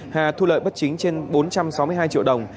hà thu lợi bất chính trên bốn chín tỷ đồng